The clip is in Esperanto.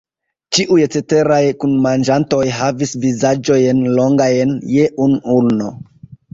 Ĉiuj ceteraj kunmanĝantoj havis vizaĝojn longajn je unu ulno.